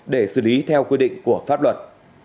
để xử lý theo quy định của pháp luật